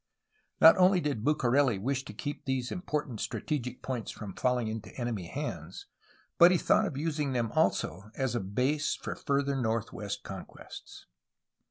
Not only did Bucareli wish to keep these important strategic points from falling into enemy hands, but he thought of using them also as a base for further north ward conquests.